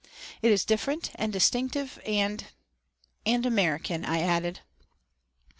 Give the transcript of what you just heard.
"It is different and distinctive and and American," I added.